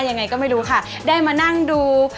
ยังไงก็ไม่รู้ค่ะได้มานั่งดู